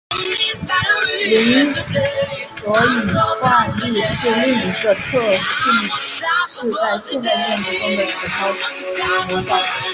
零索引惯例的另一个特性是在现代计算机中实作的模运算。